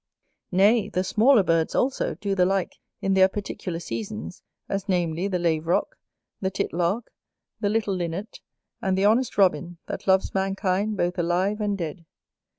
Nay, the smaller birds also do the like in their particular seasons, as namely the Laverock, the Tit lark, the little Linnet, and the honest Robin that loves mankind both alive and dead.